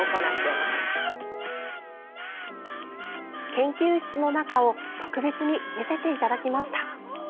研究室の中を特別に見せていただきました。